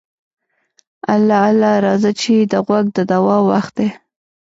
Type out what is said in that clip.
اله اله راځه چې د غوږ د دوا وخت دی.